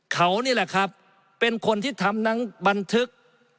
เขานี่แหละครับเป็นคนที่ทำทั้งบันทึก